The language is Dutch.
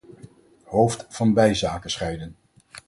Hoofd- van bijzaken scheiden.